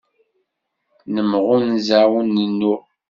Nemɣunza ur nennuɣ.